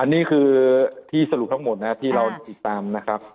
นี่คือที่สรุปทั้งหมดนะครับที่เราติดตามนะครับ